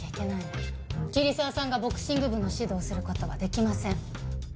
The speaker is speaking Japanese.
桐沢さんがボクシング部の指導をする事はできません。